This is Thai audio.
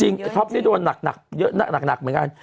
จริงท็อปได้โดนหนักเหมือนกัน